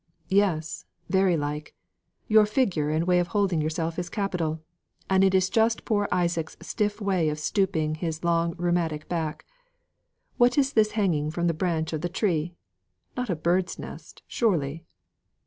"Yes, very like. Your figure and way of holding yourself is capital. And it is just poor old Isaac's stiff way of stooping his long rheumatic back. What is this hanging from the branch of the tree? Not a bird's nest, surely."